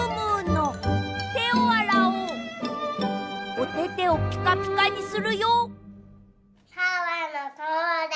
おててをピカピカにするよ！